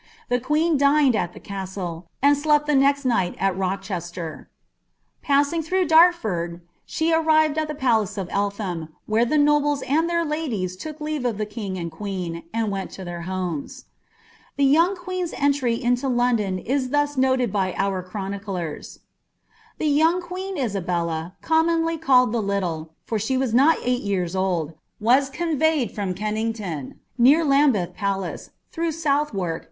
The queen dineil at ihe nuilo, anil »lepi (he next niufht al Rocheater. Passins through Darifurdi ■'ic arrived al the palace at Elihitm. where tlie nobles and their ladiw '. .iL leave uf llie king and queen, and went lo iheir homes. The yoiMi^ qneen'a entry into Lundon is ihu» noted by our chronK •'.m :— ''The young qneon Isabella, commonly called the Litile ifur sbe .IS not eii; hl yesrB old), was conveyed from Kenninglon, near to Laifr iti palaee. ilirnugh Southwark.